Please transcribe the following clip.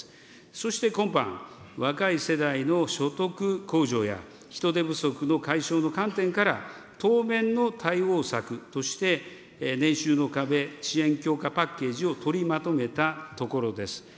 そして今般、若い世代の所得向上や、人手不足の解消の観点から、当面の対応策として、年収の壁支援強化パッケージを取りまとめたところです。